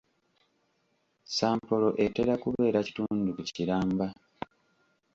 Sampolo etera kubeera kitundu ku kiramba.